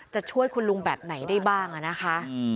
จะช่วยคุณลุงแบบไหนได้บ้างนะคะ